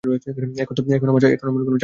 এখন আমার চাকরি নেই।